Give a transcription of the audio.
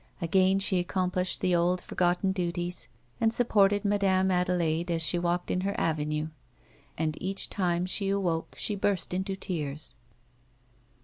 Again she accomplished the old, forgotten duties and supported Madame Adelaide as she walked in her avenue ; and each time she awoke she burst into tears.